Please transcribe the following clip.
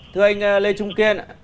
thưa anh lê trung kiên